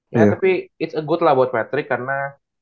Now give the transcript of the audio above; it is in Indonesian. ya tapi it s a good lah buat patrick karena